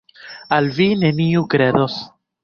Al vi neniu kredos.